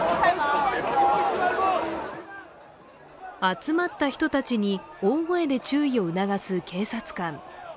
集まった人たちに大声で注意を促す警察官。